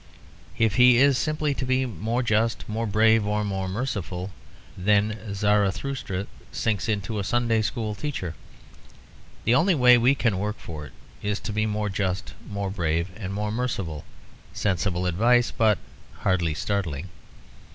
If he is simply to be more just, more brave, or more merciful, then Zarathustra sinks into a Sunday school teacher; the only way we can work for it is to be more just, more brave, and more merciful; sensible advice, but hardly startling.